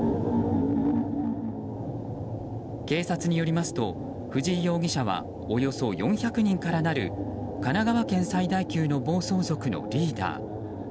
警察によりますと藤井容疑者はおよそ４００人からなる神奈川県最大級の暴走族のリーダー。